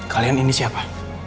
kalian ini siapa